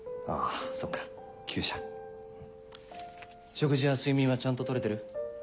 食事や睡眠はちゃんととれてる？